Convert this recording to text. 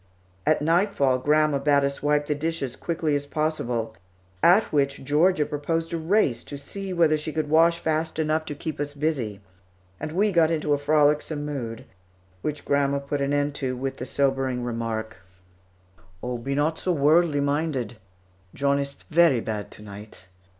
At nightfall, grandma bade us wipe the dishes quickly as possible, at which Georgia proposed a race to see whether she could wash fast enough to keep us busy, and we got into a frolicsome mood, which grandma put an end to with the sobering remark: "Oh, be not so worldly minded. John ist very bad to night.